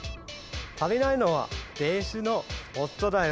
足りないのはベースの音だよ！